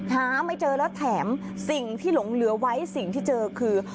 หาไม่เจอแล้วแถมสิ่งที่หลงเหลือไว้สิ่งที่เจอคือ